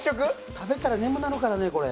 食べたら眠くなるからねこれ。